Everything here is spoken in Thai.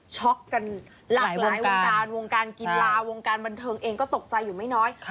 กันหลากหลายวงการวงการกีฬาวงการบันเทิงเองก็ตกใจอยู่ไม่น้อย